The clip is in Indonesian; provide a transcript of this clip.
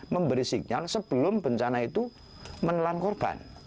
memberi sinyal sebelum bencana itu menelan korban